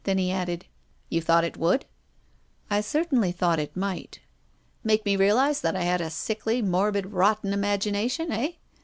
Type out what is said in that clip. Then he added :" You thought it would ?"" I certainly thought it might." " Make mc realise that I had a sickly, morbid, rotten imagination — heh?